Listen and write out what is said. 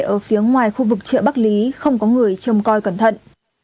ở phía ngoài khu vực chợ bắc lý không có người trông coi cẩn thận